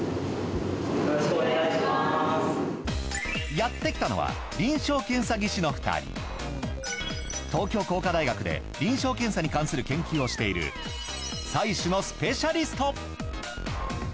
やってきたのは東京工科大学で臨床検査に関する研究をしている採取のスペシャリスト。